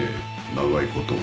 長いこと。